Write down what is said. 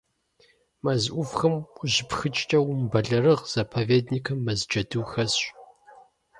Мэз Ӏувхэм ущыпхыкӀкӀэ умыбэлэрыгъ, заповедникым мэз джэду хэсщ.